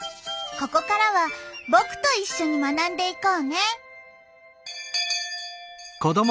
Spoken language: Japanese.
ここからは僕と一緒に学んでいこうね」。